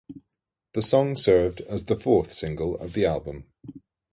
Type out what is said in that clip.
The song served as the fourth single of the album.